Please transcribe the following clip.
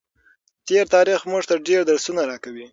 تېر تاریخ موږ ته ډېر درسونه راکوي.